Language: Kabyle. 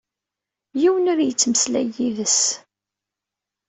Yiwen ur yettmeslay yid-s.